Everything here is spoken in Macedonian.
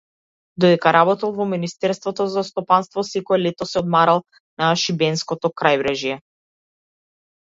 Додека работел во министерството за стопанство секое лето се одморал на шибенското крајбрежје.